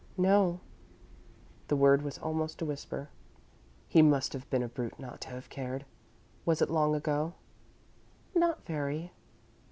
"No." The word was almost a whisper. "He must have been a brute, not to have cared. Was it long ago?" "Not very."